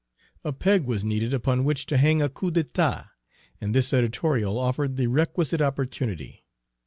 A peg was needed upon which to hang a coup d'état, and this editorial offered the requisite opportunity.